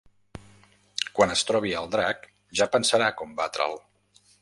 Quan es trobi el drac, ja pensarà com batre'l.